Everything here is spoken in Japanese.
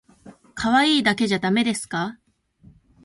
可愛いだけじゃだめですか？